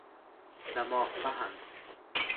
دماغ پهن